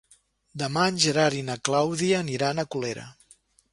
Demà en Gerard i na Clàudia aniran a Colera.